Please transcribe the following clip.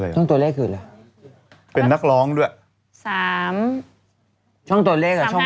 ช่องตัวเลขคืออะไรเป็นนักร้องด้วยสามช่องตัวเลขอ่ะช่อง